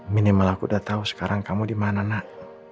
minimal aku udah tau sekarang kamu dimana nak